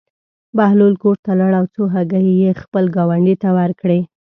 بهلول کور ته لاړ او څو هګۍ یې خپل ګاونډي ته ورکړې.